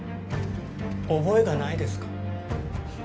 覚えがないですか？